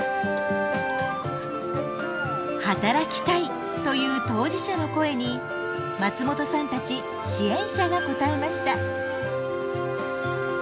働きたいという当事者の声に松本さんたち支援者が応えました。